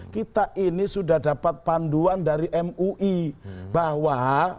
kita ini sudah dapat panduan dari mui bahwa